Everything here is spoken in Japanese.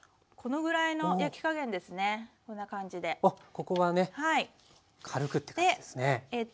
ここはね軽くって感じですね。